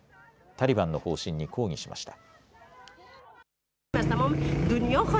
タリバンの方針に抗議しました。